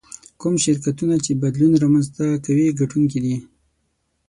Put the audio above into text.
کوم شرکتونه چې بدلون رامنځته کوي ګټونکي دي.